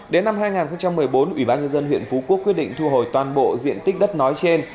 đến năm hai nghìn một mươi bốn ủy ban nhân dân huyện phú quốc quyết định thu hồi toàn bộ diện tích đất nói trên